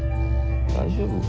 大丈夫か？